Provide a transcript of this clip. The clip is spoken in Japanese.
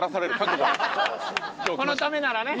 このためならね。